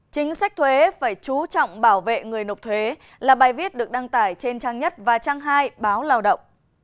chính sách thuế phải chú trọng bảo vệ người nộp thuế là bài viết được đăng tải trên trang nhất và trang hai báo lao động